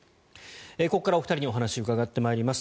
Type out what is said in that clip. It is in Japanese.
ここからお二人にお話を伺っていきます。